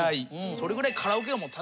それぐらい。